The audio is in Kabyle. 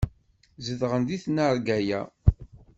Zedɣen di tnarga-ya.